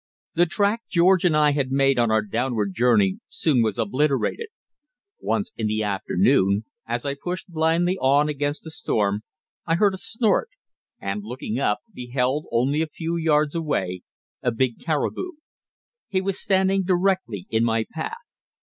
The track George and I had made on our downward journey soon was obliterated. Once in the forenoon, as I pushed blindly on against the storm, I heard a snort, and, looking up, beheld, only a few yards away, a big caribou. He was standing directly in my path.